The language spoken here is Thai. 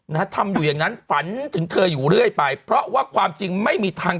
นะฮะทำอยู่อย่างนั้นฝันถึงเธออยู่เรื่อยไปเพราะว่าความจริงไม่มีทาง